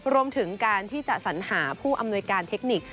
รวมถึงการที่จะสัญหาผู้อำนวยการเทคนิค